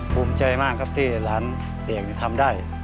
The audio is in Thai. ภูมิใจมากครับที่หลานเสี่ยงทำได้